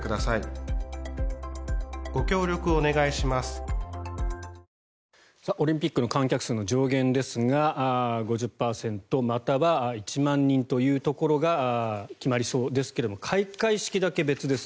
それから海外のメディアもそうですがオリンピックの観客数の上限ですが５０％または１万人というところが決まりそうですけど開会式だけ別です。